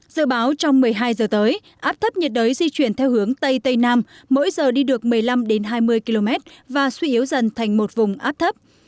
dự báo trong một mươi hai giờ tới áp thấp nhiệt đới di chuyển theo hướng tây tây nam mỗi giờ đi được một mươi năm hai mươi km và suy yếu dần thành một vùng áp thấp